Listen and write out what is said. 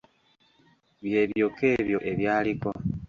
Bye byokka ebyo ebyaliko.